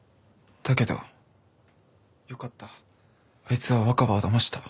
だけどあいつは若葉をだました。